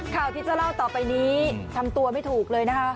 ข่าวที่จะเล่าต่อไปนี้ทำตัวไม่ถูกเลยนะคะ